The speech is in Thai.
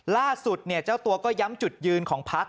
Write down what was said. ล่าสุดเจ้าตัวก็ย้ำจุดยืนของพัก